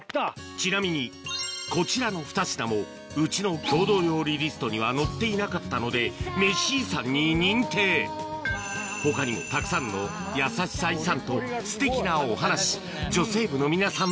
ちなみにこちらの２品もうちの郷土料理リストには載っていなかったのでメシ遺産に認定他にもたくさんのやさしさ遺産とすてきなお話女性部の皆さん